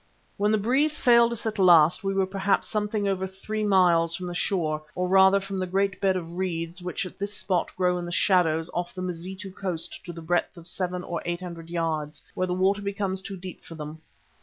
When the breeze failed us at last we were perhaps something over three miles from the shore, or rather from the great bed of reeds which at this spot grow in the shallows off the Mazitu coast to a breadth of seven or eight hundred yards, where the water becomes too deep for them.